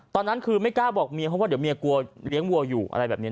ตอนนั้นคือไม่กล้าบอกเมียเพราะว่าเดี๋ยวเมียกลัวเลี้ยงวัวอยู่อะไรแบบนี้